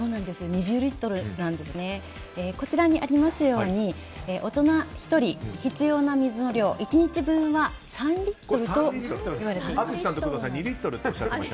こちらにありますように大人１人必要な水の量１日分は、３リットルといわれています。